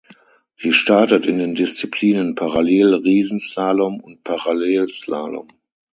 Sie startet in den Disziplinen Parallel-Riesenslalom und Parallelslalom.